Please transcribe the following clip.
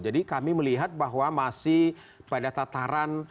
jadi kami melihat bahwa masih pada tataran